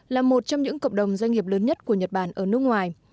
là một trong những cộng đồng doanh nghiệp lớn nhất của nhật bản ở nước ngoài